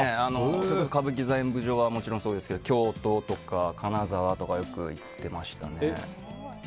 それこそ歌舞伎座演舞場はそうですが京都とか金沢とかよく行っていました。